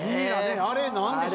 あれ何でしょ？